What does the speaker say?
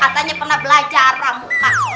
katanya pernah belajar orang orang